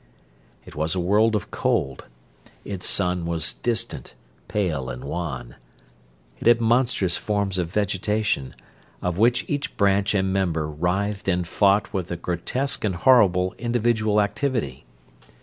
It was a world of cold; its sun was distant, pale, and wan. It had monstrous forms of vegetation, of which each branch and member writhed and fought with a grotesque and horrible individual activity.